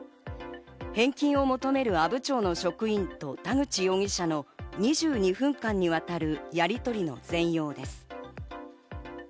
返金を求める阿武町の職員と田口容疑者の２２分間にわたるやりとりの全容です。